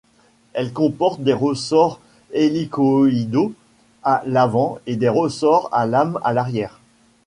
Elle comporte des ressorts hélicoïdaux à l'avant et ressorts à lames à l'arrière.